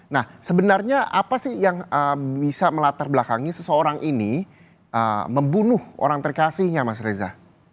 nah sebenarnya apa sih yang bisa melatar belakangi seseorang ini membunuh orang terkasihnya mas reza